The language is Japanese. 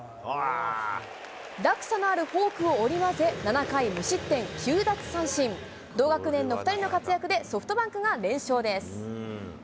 落差のあるフォークを織り交ぜ、７回無失点、９奪三振、同学年の２人の活躍で、ソフトバンクが連勝です。